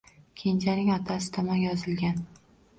Kenjaning otasi tomon yozilgan